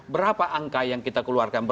berapa angka yang kita keluarkan